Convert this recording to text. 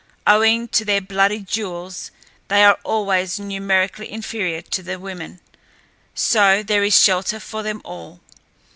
Owing to their bloody duels, they are always numerically inferior to the women, so there is shelter for them all.